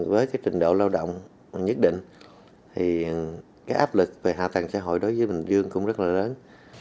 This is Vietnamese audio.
với cái trình độ lao động nhất định thì cái áp lực về hạ tầng xã hội đối với bình dương cũng rất là lớn